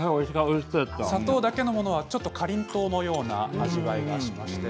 砂糖だけのものはかりんとうのような味わいがします。